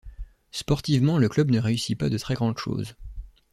Sportivement le club ne réussit pas de très grandes choses.